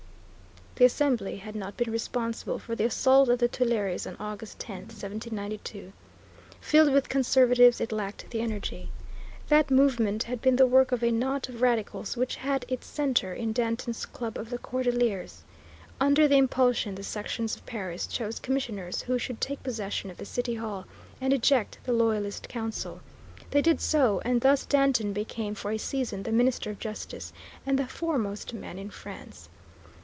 The Assembly had not been responsible for the assault on the Tuileries on August 10, 1792. Filled with conservatives, it lacked the energy. That movement had been the work of a knot of radicals which had its centre in Danton's Club of the Cordeliers. Under their impulsion the sections of Paris chose commissioners who should take possession of the City Hall and eject the loyalist Council. They did so, and thus Danton became for a season the Minister of Justice and the foremost man in France.